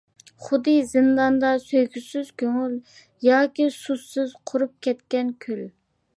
خۇددى زىندان سۆيگۈسىز كۆڭۈل، ياكى سۇسىز قۇرۇپ كەتكەن گۈل.